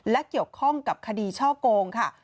และเกี่ยวข้องกับคดีช่อโกงค่ะ